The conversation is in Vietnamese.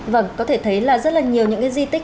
vâng có thể thấy là rất là nhiều những cái di tích